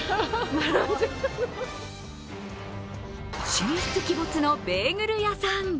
神出鬼没のベーグル屋さん。